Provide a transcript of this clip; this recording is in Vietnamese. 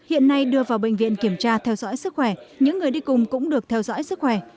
hiện nay đưa vào bệnh viện kiểm tra theo dõi sức khỏe những người đi cùng cũng được theo dõi sức khỏe